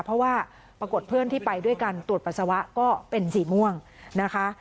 เพราะว่าปรากฏเพื่อนที่ไปด้วยกันตรวจปัสสาวะก็เป็นสีม่วงนะคะ